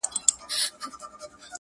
o ادبي مجلسونه دا کيسه يادوي تل,